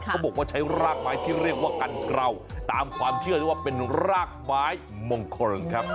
บอกว่าใช้รากไม้ที่เรียกว่ากันเกราตามความเชื่อด้วยว่าเป็นรากไม้มงคลครับ